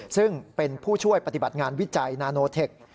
ซึ่งเป็นผู้ช่วยปฏิบัติงานวิจัยนาโนเทค